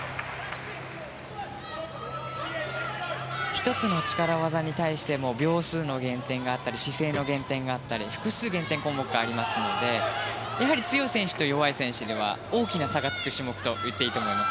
１つの力技に対しても秒数の減点があったり姿勢の減点があったり複数、減点項目がありますので強い選手と弱い選手では大きな差がつく種目です。